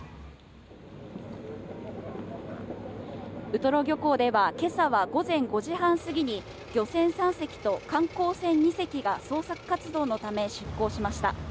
ウトロ漁港では今朝は午前５時半過ぎに漁船３隻と観光船２隻が捜索活動のため出航しました。